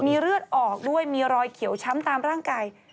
มีเลือดออกด้วยมีรอยเขียวช้ำตามร่างกาย